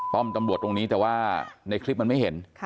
ป้อมตำรวจตรงนี้แต่ว่าในคลิปมันไม่เห็น